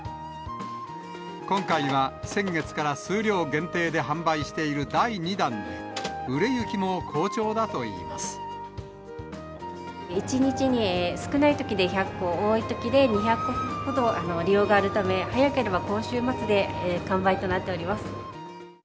今回は、先月から数量限定で販売している第２弾で、売れ行きも好１日に少ないときで１００個、多いときで２００個ほど利用があるため、早ければ今週末で完売となっております。